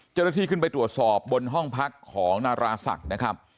เจ้าหน้าที่ขึ้นไปตรวจสอบบนห้องพักของนาราศักดิ์นะครับ